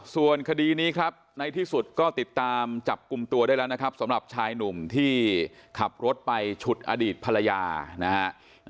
ส่วนคดีนี้ครับในที่สุดก็ติดตามจับกลุ่มตัวได้แล้วนะครับสำหรับชายหนุ่มที่ขับรถไปฉุดอดีตภรรยานะฮะ